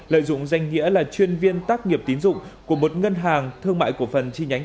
lợi dụng danh nghĩa là chuyên viên tác nghiệp tín dụng của một ngân hàng thương mại cổ phần chi nhánh